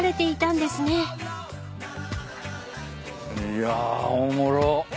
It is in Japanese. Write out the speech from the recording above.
いやおもろ。